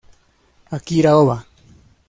Akira Oba